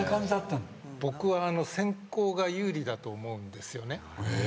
僕は先攻が有利だと思うんですよね。